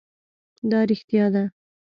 دا رښتيا ده؟